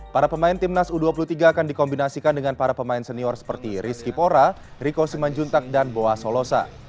para pemain timnas u dua puluh tiga akan dikombinasikan dengan para pemain senior seperti rizky pora riko simanjuntak dan boa solosa